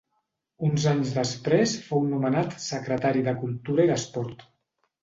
Uns anys després fou nomenat secretari de cultura i d'esport.